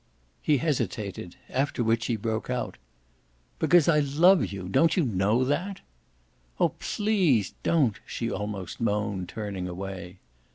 He hesitated; after which he broke out: "Because I love you. Don't you know that?" "Oh PLEASE don't!" she almost moaned, turning away.